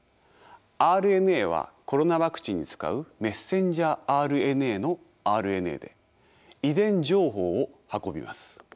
ＲＮＡはコロナワクチンに使うメッセンジャーＲＮＡのＲＮＡで遺伝情報を運びます。